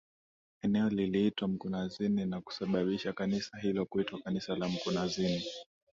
Eneo liliitwa Mkunazini na kusabibisha kanisa hilo kuitwa kanisa la mkunazini